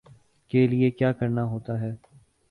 کے لیے کیا کرنا ہوتا ہے